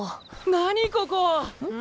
・何ここ！